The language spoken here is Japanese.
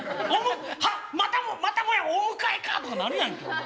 「はっまたもまたもやお迎えか」とかやるやんけお前。